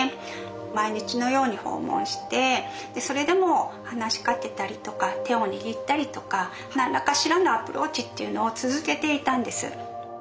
毎日のように訪問してそれでも話しかけたりとか手を握ったりとか何らかしらのアプローチっていうのを続けていたんです。